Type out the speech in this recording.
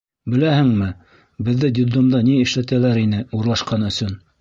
Беләһеңме, беҙҙе детдомда ни эшләтәләр ине урлашҡан өсөн?